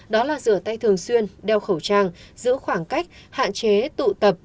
đó là rửa tay thường xuyên đeo khẩu trang giữ khoảng cách hạn chế tụ tập